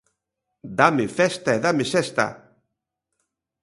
Dáme festa e dáme sesta...